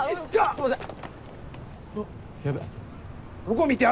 すみません。